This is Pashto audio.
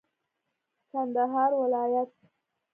کندهار ولايت